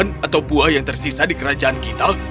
tidak ada sayuran atau buah yang tersisa di kerajaan kita